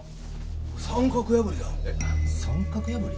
三角破り？